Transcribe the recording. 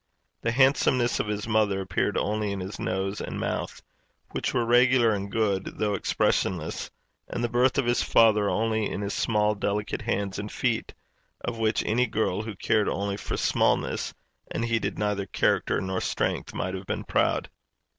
The handsomeness of his mother appeared only in his nose and mouth, which were regular and good, though expressionless; and the birth of his father only in his small delicate hands and feet, of which any girl who cared only for smallness, and heeded neither character nor strength, might have been proud.